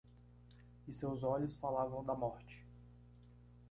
E seus olhos falavam da morte.